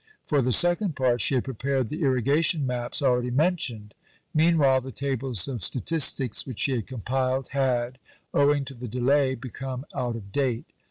For the second Part she had prepared the Irrigation maps already mentioned. Meanwhile, the tables of statistics which she had compiled had, owing to the delay, become out of date.